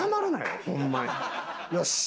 よし。